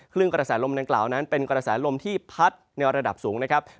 กระแสลมดังกล่าวนั้นเป็นกระแสลมที่พัดในระดับสูงนะครับ